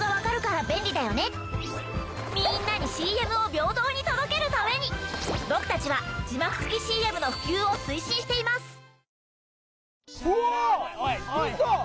みんなにＣＭを平等に届けるために僕たちは字幕付きＣＭの普及を推進しています。